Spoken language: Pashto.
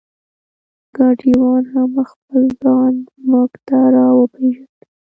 ګاډیوان هم خپل ځان مونږ ته را وپېژنده.